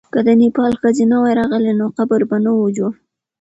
که د نېپال ښځې نه وای راغلې، نو قبر به نه وو جوړ.